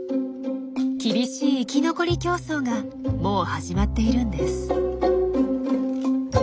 厳しい生き残り競争がもう始まっているんです。